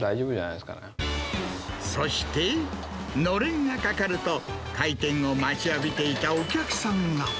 そしてのれんがかかると、開店を待ちわびていたお客さんが。